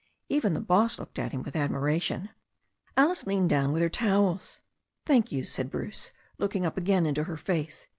Even the boss looked at him with admiration. Alice leaned down with her towels. "Thank you," said Bruce, looking up again into her face.